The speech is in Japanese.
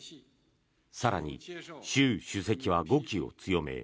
更に習主席は語気を強め